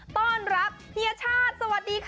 ต้อนรับเฮียชาติสวัสดีค่ะ